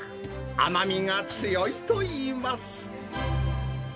甘みが強いといいます。